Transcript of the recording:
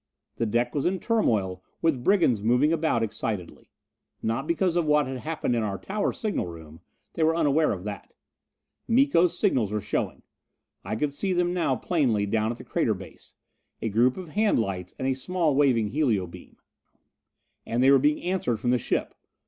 The deck was in turmoil with brigands moving about excitedly. Not because of what had happened in our tower signal room; they were unaware of that. Miko's signals were showing! I could see them now plainly, down at the crater base. A group of hand lights and a small waving helio beam. And they were being answered from the ship!